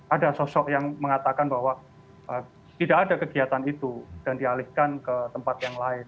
ada sosok yang mengatakan bahwa tidak ada kegiatan itu dan dialihkan ke tempat yang lain